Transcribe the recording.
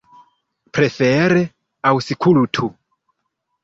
Prefere aŭskultu!